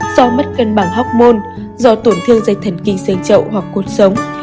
do mất cân bằng học môn do tổn thương dây thần kinh sơn trậu hoặc cột sống